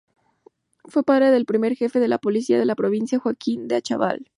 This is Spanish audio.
Fue padre del primer jefe de la policía de la provincia, Joaquín de Achával.